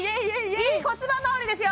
いい骨盤まわりですよ！